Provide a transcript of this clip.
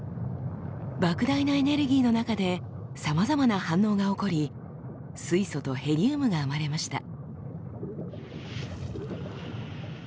ばく大なエネルギーの中でさまざまな反応が起こり水素とヘリウムが生まれました。